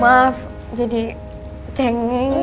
maaf jadi cengeng